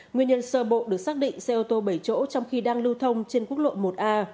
nguyên nhân sơ bộ được xác định xe ô tô bảy chỗ trong khi đang lưu thông trên quốc lộ một a